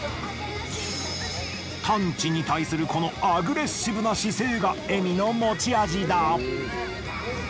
探知に対するこのアグレッシブな姿勢がエミの持ち味だ。